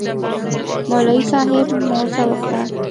مولوي صاحب موعظه وکړه.